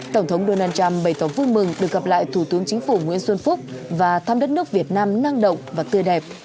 tổng thống donald trump bày tỏ vui mừng được gặp lại thủ tướng chính phủ nguyễn xuân phúc và thăm đất nước việt nam năng động và tươi đẹp